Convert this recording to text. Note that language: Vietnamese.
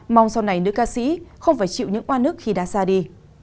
mong sau này nữ ca sĩ không phải chịu những oan ức khi đã ra đi